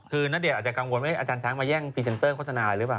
คือณเดชน์อาจจะกังวลว่าอาจารย์ช้างมาแย่งพรีเซนเตอร์โฆษณาอะไรหรือเปล่า